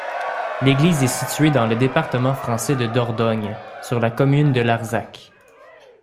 L'église est située dans le département français de Dordogne, sur la commune de Larzac.